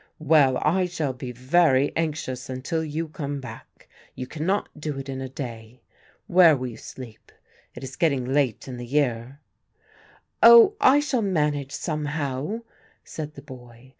"Well, I shall be very anxious until you come back; you cannot do it in a day. Where will you sleep? It is getting late in the year." "Oh! I shall manage somehow," said the boy.